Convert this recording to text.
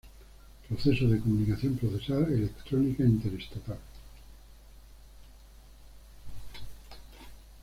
Proceso de comunicación procesal electrónica interestatal.